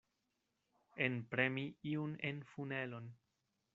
Enpremi iun en funelon.